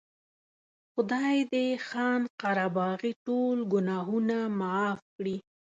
خدای دې خان قره باغي ټول ګناهونه معاف کړي.